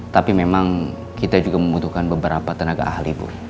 tapi memang kita juga membutuhkan beberapa tenaga ahli bu